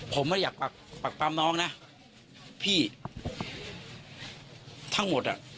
ผมไม่ได้อยากปรับปรับปรับน้องนะพี่ทั้งหมดอ่ะ